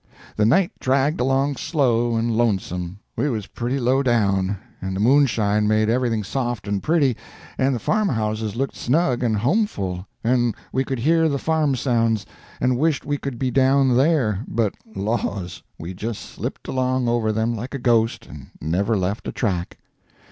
The night dragged along slow and lonesome. We was pretty low down, and the moonshine made everything soft and pretty, and the farmhouses looked snug and homeful, and we could hear the farm sounds, and wished we could be down there; but, laws! we just slipped along over them like a ghost, and never left a track.